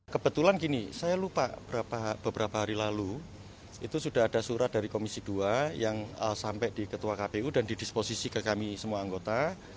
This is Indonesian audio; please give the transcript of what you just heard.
kebetulan gini saya lupa beberapa hari lalu itu sudah ada surat dari komisi dua yang sampai di ketua kpu dan didisposisi ke kami semua anggota